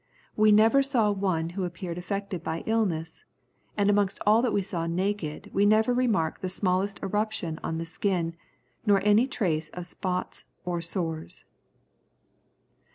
We never saw one who appeared affected by illness, and amongst all that we saw naked we never remarked the smallest eruption on the skin, nor any trace of spots or sores."